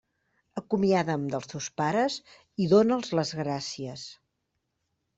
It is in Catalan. Acomiada'm dels teus pares i dóna'ls les gràcies.